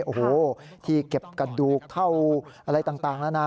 โอ้โหที่เก็บกระดูกเท่าอะไรต่างแล้วนะ